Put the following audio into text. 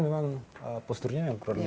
memang posturnya yang kurang